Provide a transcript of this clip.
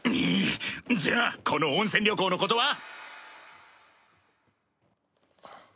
じゃあこの温泉旅行のことは？